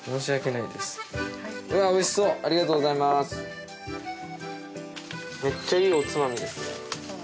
はいめっちゃいいおつまみですねそう？